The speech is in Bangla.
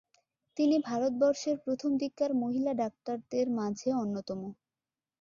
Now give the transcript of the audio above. তিনি ভারতবর্ষের প্রথম দিককার মহিলা ডাক্তারদের মাঝে অন্যতম।